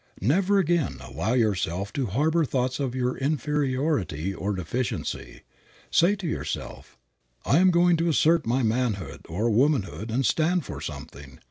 Never again allow yourself to harbor thoughts of your inferiority or deficiency. Say to yourself, "I am going to assert my manhood or womanhood and stand for something.